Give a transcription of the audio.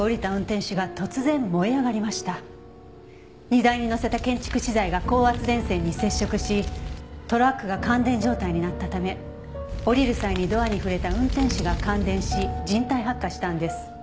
荷台に載せた建築資材が高圧電線に接触しトラックが感電状態になったため降りる際にドアに触れた運転手が感電し人体発火したんです。